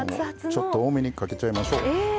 ちょっと多めにかけちゃいましょう。